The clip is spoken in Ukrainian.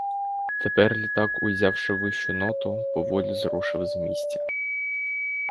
Тепер літак, узявши вищу ноту, поволі зрушив з місця.